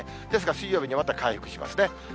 ですが、水曜日にまた回復しますね。